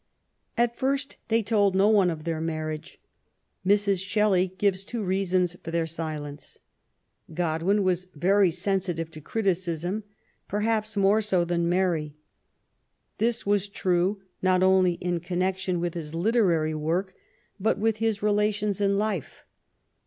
At first they told no one of their marriage. Mrs. Shelley gives two reasons for their silence. Godwin was very sensitive to criticism, perhaps even more so than Mary. This was true not only in connection LIFE WITH GODWIN: MABEIAQE. 191 with liis literary work, but with all his relations in life.